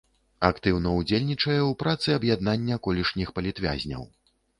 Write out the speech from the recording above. Актыўна ўдзельнічае ў працы аб'яднання колішніх палітвязняў.